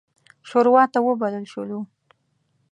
شوراته وبلل شولو.